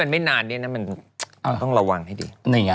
มันต้องระวังให้ดี